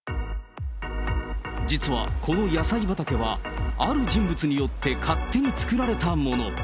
実はこの野菜畑は、ある人物によって勝手に作られたもの。